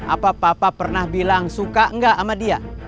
apa papa pernah bilang suka enggak sama dia